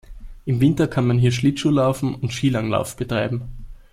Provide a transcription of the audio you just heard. Im Winter kann man hier Schlittschuh laufen und Skilanglauf betreiben.